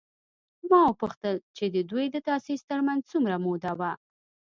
ما وپوښتل چې د دوی د تاسیس تر منځ څومره موده وه؟